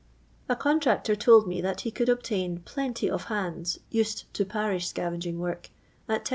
A contractor told me that he conld obtain "plenty of bands, used to parish scarnging work, at 10s.